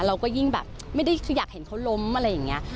เราก็ยิ่งแบบไม่ได้คืออยากเห็นเขาล้มอะไรอย่างนี้